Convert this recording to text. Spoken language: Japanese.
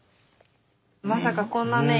まさかこんなね